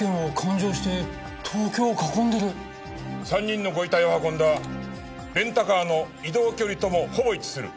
３人のご遺体を運んだレンタカーの移動距離ともほぼ一致する。